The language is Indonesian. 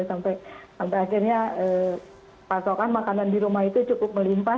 sampai akhirnya pasokan makanan di rumah itu cukup melimpah